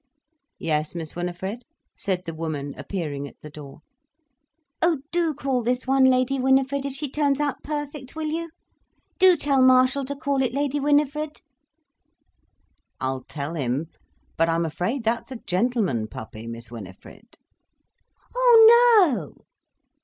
"Yes, Miss Winifred?" said the woman, appearing at the door. "Oh do call this one Lady Winifred, if she turns out perfect, will you? Do tell Marshall to call it Lady Winifred." "I'll tell him—but I'm afraid that's a gentleman puppy, Miss Winifred." "Oh _no!